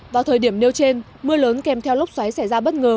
vào thời điểm nêu trên mưa lớn kèm theo lốc xoáy xảy ra bất ngờ